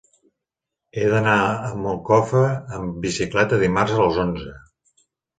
He d'anar a Moncofa amb bicicleta dimarts a les onze.